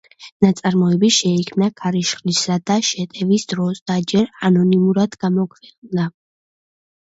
ნაწარმოები შეიქმნა „ქარიშხლისა და შეტევის“ დროს და ჯერ ანონიმურად გამოქვეყნდა.